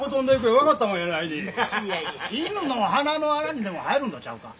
犬の鼻の穴にでも入るんとちゃうか？